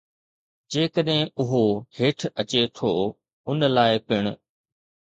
جيڪڏهن اهو هيٺ اچي ٿو، ان لاء پڻ